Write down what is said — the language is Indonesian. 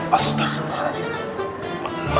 pak ustad ridwan